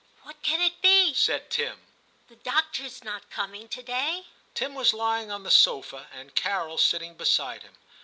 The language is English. * What can it be ?* said Tim ;* the doctor's not coming to day.' Tim was lying on the sofa, and Carol sitting beside him.